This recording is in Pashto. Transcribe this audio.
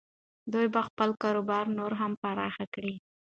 دوی به خپل کاروبار نور هم پراخ کړي.